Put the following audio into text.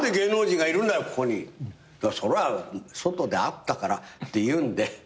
それは外で会ったからっていうんで。